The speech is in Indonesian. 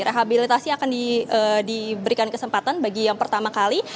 rehabilitasi akan diberikan kesempatan bagi yang pertama kali